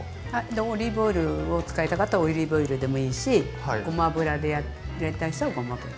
オリーブオイルを使いたかったらオリーブオイルでもいいしごま油でやりたい人はごま油で。